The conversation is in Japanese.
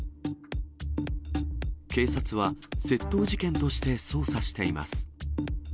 警察は窃盗事件として捜査しています。